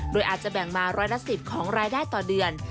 โดยอาจจะแบ่งมาร้อยละ๑๐ของรายได้ต่อเดือน